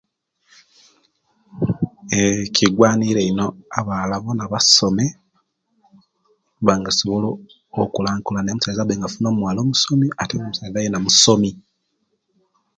Eee kigwanire ino abawala bona basome okuba nga asobola okulankulana omusaiza abe nga afuna omuwala omusomi ate nga omusaiza yena musomi